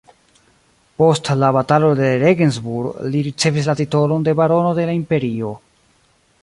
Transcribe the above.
Post la Batalo de Regensburg li ricevis la titolon de barono de la imperio.